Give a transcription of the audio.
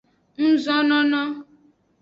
Ngzonono.